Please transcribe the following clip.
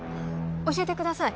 教えてください